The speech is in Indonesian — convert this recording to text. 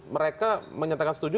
mereka menyatakan setuju